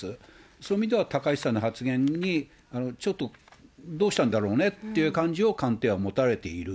そういう意味では高市さんの発言に、ちょっとどうしたんだろうねっていう感じを官邸は持たれている。